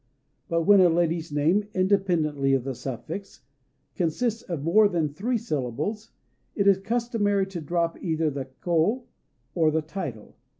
But when a lady's name, independently of the suffix, consists of more than three syllables, it is customary to drop either the ko or the title.